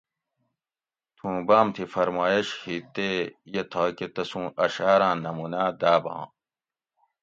تھوں باۤم تھی فرمایٔش ھی تے یہ تھاکہ تسوں اشعاراۤں نموناۤ داۤباں